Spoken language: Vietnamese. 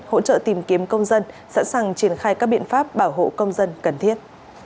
hỗ trợ tìm kiếm công dân sẵn sàng triển khai các biện pháp bảo hộ công dân cần thiết